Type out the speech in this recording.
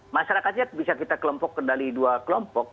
masyarakatnya bisa kita kelompok kendali dua kelompok